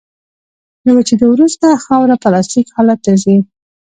له وچېدو وروسته خاوره پلاستیک حالت ته ځي